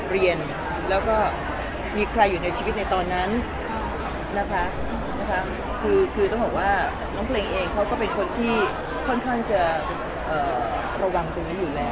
เรียนแล้วก็มีใครอยู่ในชีวิตในตอนนั้นนะคะคือต้องบอกว่าน้องเพลงเองเขาก็เป็นคนที่ค่อนข้างจะระวังตรงนี้อยู่แล้ว